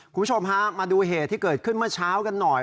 คุณผู้ชมฮะมาดูเหตุที่เกิดขึ้นเมื่อเช้ากันหน่อย